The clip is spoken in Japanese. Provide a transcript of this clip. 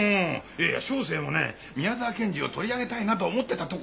いやいや小生もね宮沢賢治を取り上げたいなと思ってたところだったんだよ。